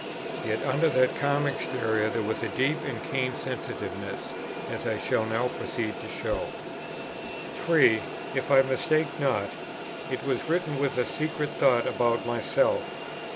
Yet, under that calm exterior there was a deep and keen sensitiveness, as I shall now proceed to show. 3. If I mistake not, it was written with a secret thought about myself.